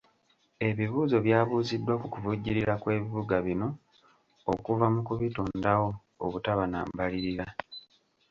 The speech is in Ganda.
Ebibuuzo byabuuziddwa ku kuvujjirira kw'ebibuga bino okuva mu ku bitondawo obutaba na mbalirira.